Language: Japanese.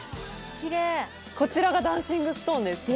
こちらがダンシングストーンです。